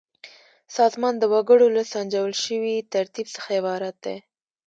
سازمان د وګړو له سنجول شوي ترتیب څخه عبارت دی.